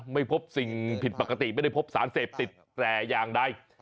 ไม่พบสิ่งผิดปกติไม่ได้พบสารเสพติดแต่อย่างใด